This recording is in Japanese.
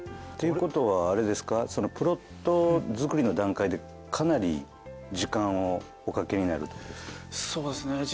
っていうことはあれですかプロット作りの段階でかなり時間をおかけになるってことですか？